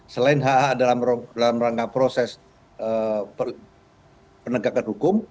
selain hak hak dalam rangka proses penegakan hukum